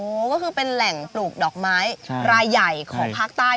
ก็คือเป็นแหล่งปลูกดอกไม้รายใหญ่ของภาคใต้